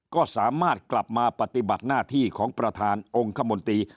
ก็สามารถกลับมาปฏิบัติหน้าที่ของประธานองค์คมนตรี